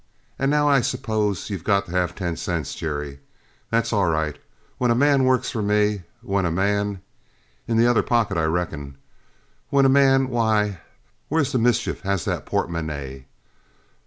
And now I suppose you've got to have ten cents, Jerry. That's all right when a man works for me when a man in the other pocket, I reckon when a man why, where the mischief as that portmonnaie!